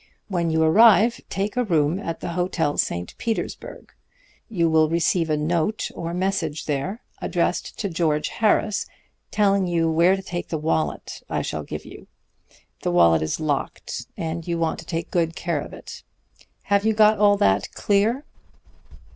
When you arrive, take a room at the Hotel St. Petersburg. You will receive a note or message there, addressed to George Harris, telling you where to take the wallet I shall give you. The wallet is locked, and you want to take good care of it. Have you got all that clear?'